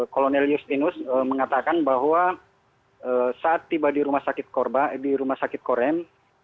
kolonel justinus mengatakan bahwa saat tiba di rumah sakit korem